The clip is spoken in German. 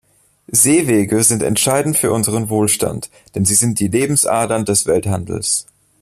Seewege sind entscheidend für unseren Wohlstand, denn sie sind die Lebensadern des Welthandels.